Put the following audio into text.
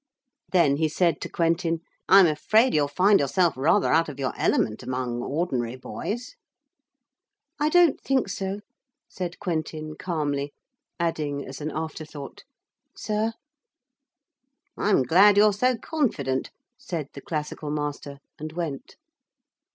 Then he said to Quentin: 'I am afraid you will find yourself rather out of your element among ordinary boys.' 'I don't think so,' said Quentin calmly, adding as an afterthought 'sir.' 'I'm glad you're so confident,' said the classical master and went.